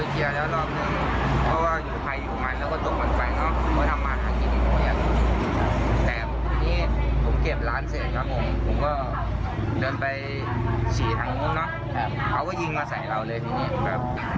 เดินไปสี่ทางนู้นนะเขาก็ยิงมาสายเราเลยที่นี่ครับ